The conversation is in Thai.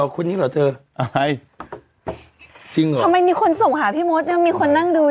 คนนี้เหรอเธออะไรจริงเหรอทำไมมีคนส่งหาพี่มดเนี่ยมีคนนั่งดู